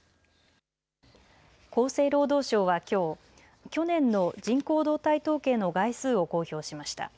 厚生労働省はきょう去年の人口動態統計の概数を公表しました。